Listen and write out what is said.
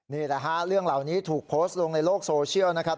นี่แหละฮะเรื่องเหล่านี้ถูกโพสต์ลงในโลกโซเชียลนะครับ